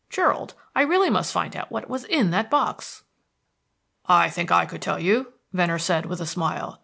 Gerald, I really must find out what was in that box!" "I think I could tell you," Venner said, with a smile.